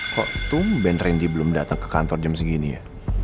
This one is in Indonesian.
kok tumben randy belum dateng ke kantor jam segini ya